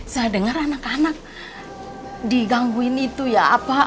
saya dengar anak anak digangguin itu ya